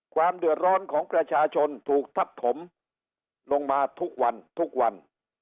ความเดือดร้อนของประชาชนถูกทับถมลงมาทุกวันทุกวัน